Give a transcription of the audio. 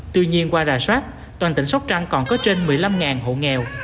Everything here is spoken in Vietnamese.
tuy nhiên qua rà soát toàn tỉnh sóc trăng còn có trên một mươi năm hộ nghèo